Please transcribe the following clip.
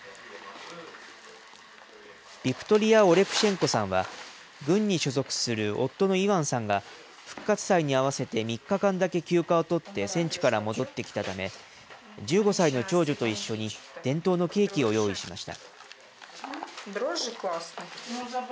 ビクトリア・オレクシェンコさんは軍に所属する夫のイワンさんが復活祭に合わせて３日間だけ休暇を取って戦地から戻ってきたため、１５歳の長女と一緒に伝統のケーキを用意しました。